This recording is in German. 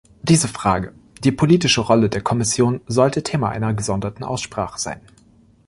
Diese Frage die politische Rolle der Kommission sollte Thema einer gesonderten Aussprache sein.